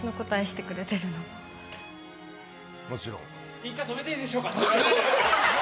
１回止めていいでしょうか。